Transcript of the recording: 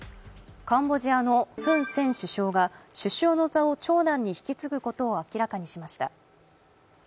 カンボジアのフン・セン首相が首相の座を長男に引き継ぐことを明らかにしました。